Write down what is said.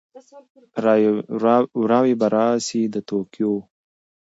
وراوي به راسي د توتکیو